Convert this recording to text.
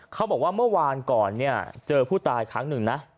เขาบอกว่าเมื่อวานก่อนเนี่ยเจอผู้ตายครั้งหนึ่งนะ